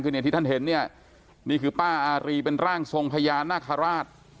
คือเนี่ยที่ท่านเห็นเนี่ยนี่คือป้าอารีเป็นร่างทรงพญานาคาราช